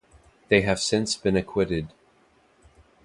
They have since been acquitted.